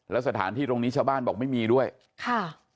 แล้วสถานที่ตรงนี้ชาวบ้านบอกไม่มีด้วยค่ะ